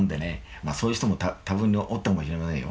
まあそういう人も多分におったかもしれませんよ。